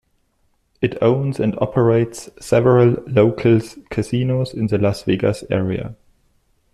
It owns and operates several locals casinos in the Las Vegas area.